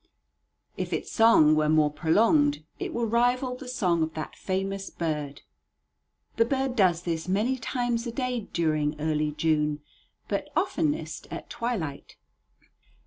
If its song were more prolonged, it would rival the song of that famous bird. The bird does this many times a day during early June, but oftenest at twilight.